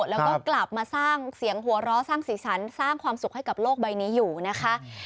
แล้วก็กลับมาสร้างเสียงหัวเราะสร้างสีสันสร้างความสุขให้กับโลกใบนี้อยู่นะคะ